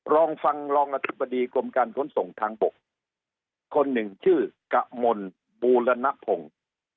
ลองฟังรองอธิบดีกรมการขนส่งทางบกคนหนึ่งชื่อกะมนบูรณพงศ์